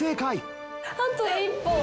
あと１歩。